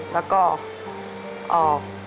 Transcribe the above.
แล้วก็ออก